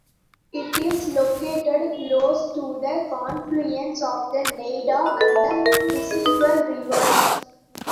It is located close to the confluence of the Nida and the Vistula rivers.